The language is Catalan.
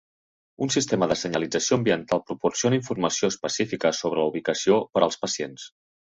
Un sistema de senyalització ambiental proporciona informació específica sobre la ubicació per als pacients.